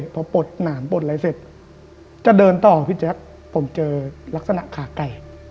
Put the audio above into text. พอปลดหนามปลดอะไรเสร็จจะเดินต่อพี่แจ๊คผมเจอลักษณะขาไก่